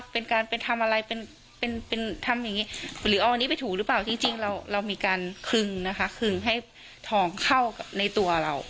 เป็นการคึงค่ะ